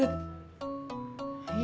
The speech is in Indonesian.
bener juga lu dad